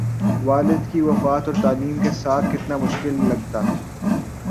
والد کی وفات اور تعلیم کے ساتھ کتنا مشکل لگا